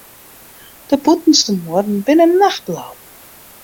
De bûtenste muorren binne nachtblau.